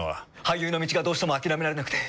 俳優の道がどうしても諦められなくて。